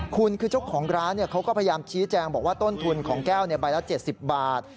คุณคือเจ้าของร้านเขาก็พยายามชี้แจงบอกว่าต้นทุนของแก้วใบละ๗๐บาท